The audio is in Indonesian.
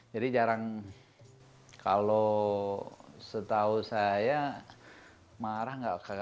jadi jarang kalau setahu saya marah nggak